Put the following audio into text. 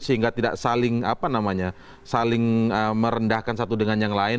sehingga tidak saling merendahkan satu dengan yang lain